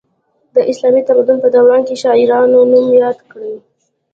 د اسلامي تمدن په دوران کې شاعرانو نوم یاد کړی.